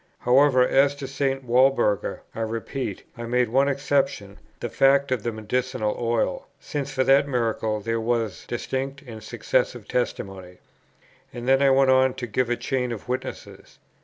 However, as to St. Walburga, I repeat, I made one exception, the fact of the medicinal oil, since for that miracle there was distinct and successive testimony. And then I went on to give a chain of witnesses.